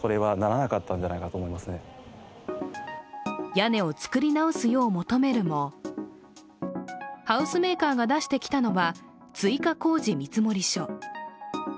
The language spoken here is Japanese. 屋根を作り直すよう求めるもハウスメーカーが出してきたのは、追加工事見積書。